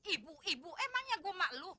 ibu ibu emangnya gua maklum